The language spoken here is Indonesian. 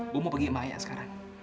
gue mau pergi ke maya sekarang